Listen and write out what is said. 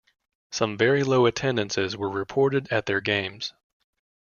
Some very low attendances were reported at their games.